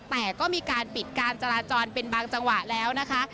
แต่ก็มีการปิดการจราจรเป็นบางจังหวะแล้วนะคะ